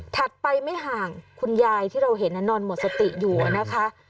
ไปไม่ห่างคุณยายที่เราเห็นนอนหมดสติอยู่นะคะ